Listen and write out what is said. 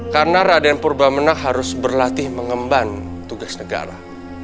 karena raden purba menang harus berlatih mengemban tugas negara